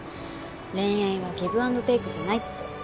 恋愛はギブ・アンド・テイクじゃないって。